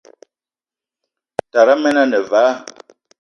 Tara men ane vala.